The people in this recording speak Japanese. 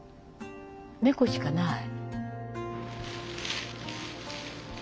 猫しかない。